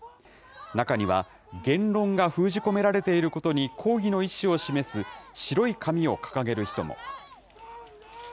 中には、言論が封じ込められていることに抗議の意思を示す白い紙を掲げる人も。